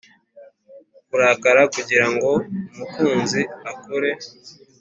kurakara kugirango umukunzi akore;